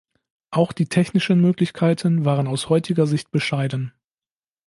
Auch die technischen Möglichkeiten waren aus heutiger Sicht bescheiden.